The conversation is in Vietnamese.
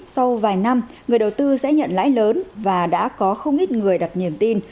sau vài năm người đầu tư sẽ nhận lãi lớn và đã có không ít người đặt niềm tin